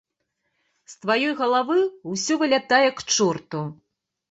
З тваёй галавы ўсё вылятае к чорту.